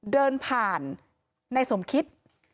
แบบนี้ว่าในสมคิด